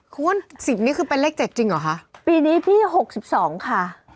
คุณนี่คือไปเลขเจ็ดจริงหรอคะปีนี้พี่๖๒ค่ะ